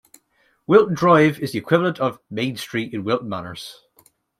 Wilton Drive is the equivalent of "Main Street" in Wilton Manors.